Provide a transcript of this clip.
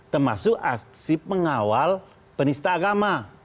termasuk aksi pengawal penista agama